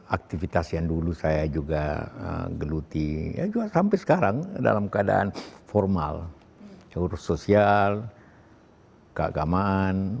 aktivitas yang dulu saya juga geluti sampai sekarang dalam keadaan formal urus sosial keagamaan